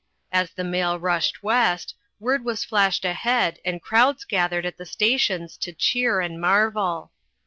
As the mail rushed west, word was flashed ahead, and crowds gathered at the stations to cheer and marvel.